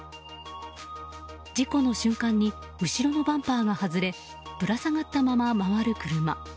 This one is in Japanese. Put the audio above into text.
事故の瞬間に後ろのバンパーが外れぶら下がったまま回る車。